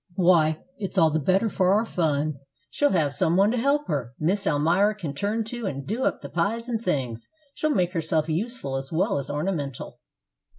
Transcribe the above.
"Why, it's all the better for our fun. She'll have some one to help her. Miss Almira can turn to and do up the pies and things, and make herself useful as well as ornamental."